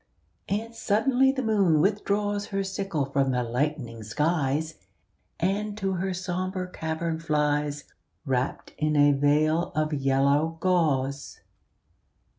And suddenly the moon withdraws Her sickle from the lightening skies, And to her sombre cavern flies, Wrapped in a veil of yellow gauze.